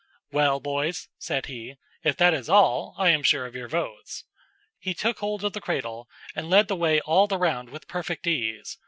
'Well, boys,' said he, 'if that is all, I am sure of your votes.' He took hold of the cradle, and led the way all the round with perfect ease.